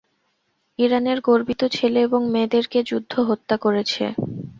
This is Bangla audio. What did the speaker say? ইরানের গর্বিত ছেলে এবং মেয়েদেরকে, যুদ্ধ হত্যা করেছে।